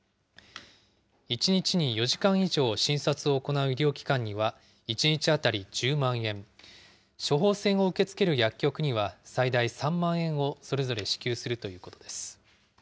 １日に４時間以上、診察を行う医療機関には、１日当たり１０万円、処方箋を受け付ける薬局には最大３万円をそれぞれ支給するということです。